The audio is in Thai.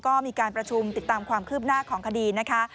ก็มีการประชุมติดตามความคืบหน้าของคดีนะคะ